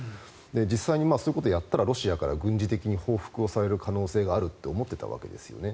実際に、そういうことをやったらロシアから軍事的に報復される可能性があると思っていたわけですよね。